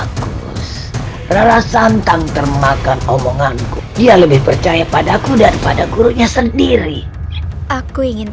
bagus rara santang termakan omonganku dia lebih percaya padaku daripada gurunya sendiri aku ingin